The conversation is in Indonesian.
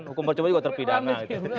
hukum percobaan juga terpidana